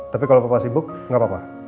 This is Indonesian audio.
tapi kalau papa sibuk nggak apa apa